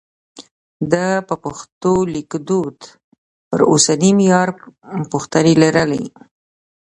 ده د پښتو لیکدود پر اوسني معیار پوښتنې لرلې.